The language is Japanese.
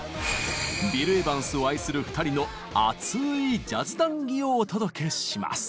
ビル・エヴァンスを愛する２人の熱いジャズ談義をお届けします。